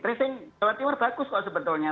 tracing jawa timur bagus kok sebetulnya